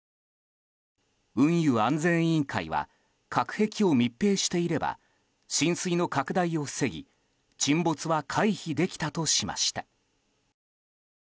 運輸安全委員会は隔壁を密閉していれば浸水の拡大を防ぎ沈没は回避できたとしていました。